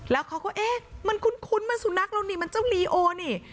แล้วเขาก็เอ๊ะมันคุ้นมันสุนัขเรานี่มันเจ้าลีโอนี่